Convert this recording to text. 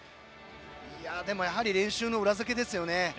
やはり練習の裏づけですよね。